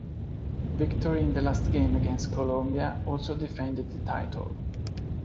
Victory in the last game against Colombia also defended the title.